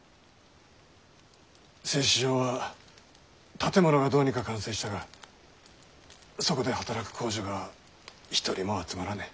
製糸場は建物はどうにか完成したがそこで働く工女が一人も集まらねぇ。